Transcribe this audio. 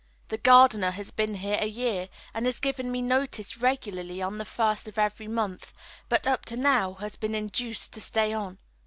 The gardener has been here a year and has given me notice regularly on the first of every month, but up to now has been induced to stay on.